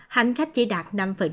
hành khách chỉ đạt năm